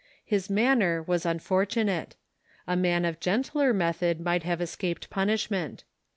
His manner was unfortunate. A man of gentler method might have escaped punishment.